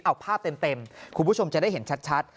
เอาภาพเต็มคุณผู้ชมจะได้เห็นชัด